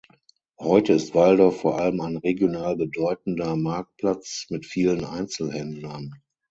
Heute ist Waldorf vor allem ein regional bedeutender Marktplatz mit vielen Einzelhändlern.